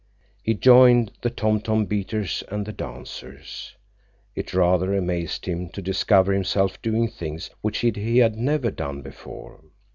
He joined the tom tom beaters and the dancers. It rather amazed him to discover himself doing things which he had never done before.